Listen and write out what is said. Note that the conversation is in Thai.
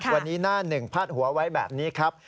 วันนี้หน้าหนึ่งพาดหัวไว้แบบนี้ครับ